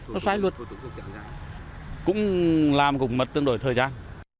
nó sai luật cũng làm cùng mặt tương đổi thời gian